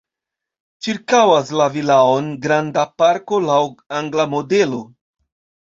Ĉirkaŭas la vilaon granda parko laŭ angla modelo.